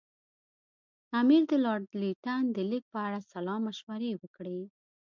امیر د لارډ لیټن د لیک په اړه سلا مشورې وکړې.